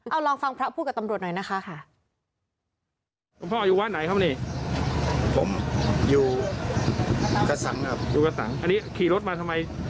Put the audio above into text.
เอาลองฟังพระพูดกับตำรวจหน่อยนะคะ